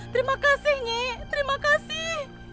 terima kasih nyi terima kasih